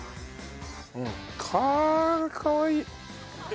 かわいい！